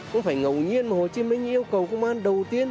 không phải ngầu nhiên mà hồ chí minh yêu cầu công an đầu tiên